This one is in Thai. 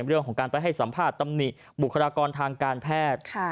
เรื่องของการไปให้สัมภาษณ์ตำหนิบุคลากรทางการแพทย์